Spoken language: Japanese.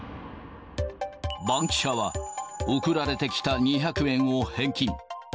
バンキシャは、送られてきた２００円を返金。